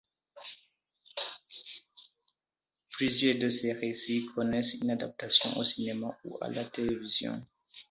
Plusieurs de ses récits connaissent une adaptation au cinéma ou à la télévision.